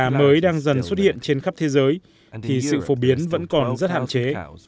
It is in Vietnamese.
đà mới đang dần xuất hiện trên khắp thế giới thì sự phổ biến vẫn còn rất hạn chế